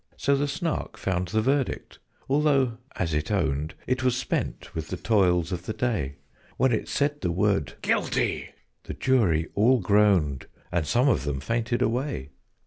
So the Snark found the verdict, although, as it owned, It was spent with the toils of the day: When it said the word "GUILTY!" the Jury all groaned And some of them fainted away.